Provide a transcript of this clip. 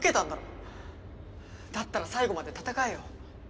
だったら最後まで戦えよ。